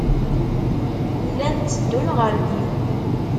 Llan tteddun ɣer din.